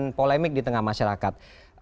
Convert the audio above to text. dan polemik di tengah masyarakat